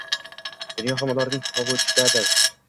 Dunyo ham ularning hovuchidadir.